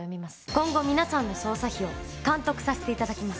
今後、皆さんの捜査費を監督させていただきます。